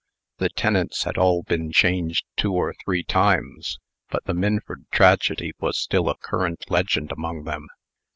The tenants had all been changed two or three times; but the "Minford tragedy" was still a current legend among them.